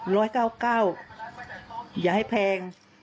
ร้อยเก้าอย่าให้แพง